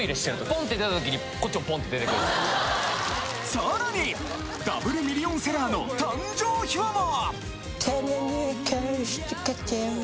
さらにダブルミリオンセラーの誕生秘話も！